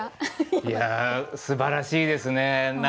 いやすばらしいですね。